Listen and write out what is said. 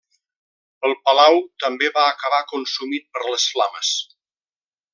El palau també va acabar consumit per les flames.